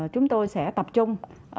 chúng tôi sẽ tập trung